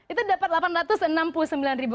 itu dapat delapan ratus enam puluh sembilan ribu